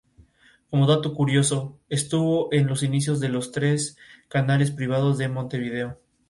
Como dato curioso: estuvo en los inicios de los tres canales privados de Montevideo.